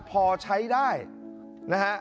พอใช้ได้นะฮะ